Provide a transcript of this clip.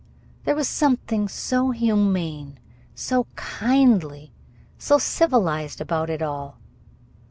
There was something so humane, so kindly, so civilized about it all!